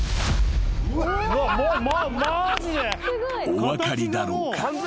［お分かりだろうか？］